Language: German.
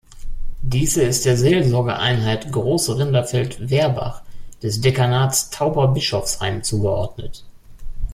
Diese ist der Seelsorgeeinheit Großrinderfeld-Werbach des Dekanats Tauberbischofsheim zugeordnet.